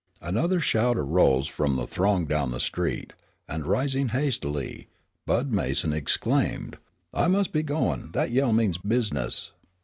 Another shout arose from the throng down the street, and rising hastily, Bud Mason exclaimed, "I must be goin', that yell means business."